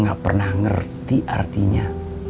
tidak pernah mengerti artinya